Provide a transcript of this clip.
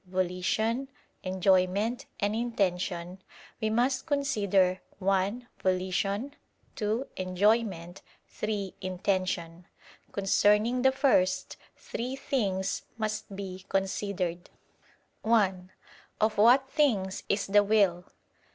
"volition," "enjoyment," and "intention"; we must consider: (1) volition; (2) enjoyment; (3) intention. Concerning the first, three things must be considered: (1) Of what things is the will?